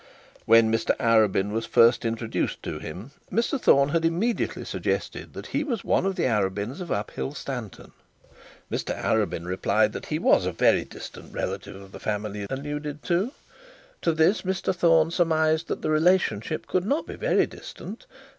When Mr Arabin was first introduced to him, Mr Thorne had immediately suggested that he was one of the Arabins of Uphill Stanton. Mr Arabin replied that he was a very distant relative of the family alluded to. To this Mr Thorne surmised that the relationship could not be very distant.